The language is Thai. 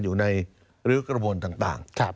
อยู่ในริ้วกระบวนต่าง